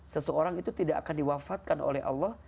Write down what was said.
seseorang itu tidak akan diwafatkan oleh allah